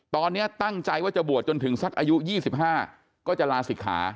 ตอนนี้ตั้งใจว่าจะบวชจนถึงสักอายุ๒๕ก็จะลาศิกขา